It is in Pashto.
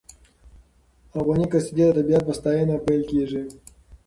لرغونې قصیدې د طبیعت په ستاینه پیل کېږي.